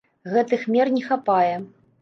Гэтых мер не хапае.